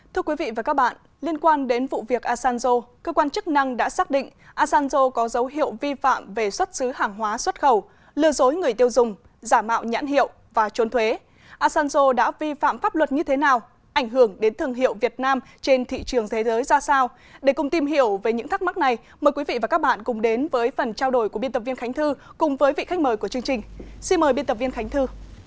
thưa quý vị và các bạn liên quan đến vụ việc asanzo cơ quan chức năng đã xác định asanzo có dấu hiệu vi phạm về xuất xứ hàng hóa xuất khẩu lừa dối người tiêu dùng giả mạo nhãn hiệu và trốn thuế asanzo đã vi phạm pháp luật như thế nào ảnh hưởng đến thương hiệu việt nam trên thị trường thế giới ra sao để cùng tìm hiểu về những thắc mắc này mời quý vị và các bạn cùng đến với phần trao đổi của biên tập viên khánh thư cùng với vị khách mời của chương trình xin mời biên tập viên khánh thư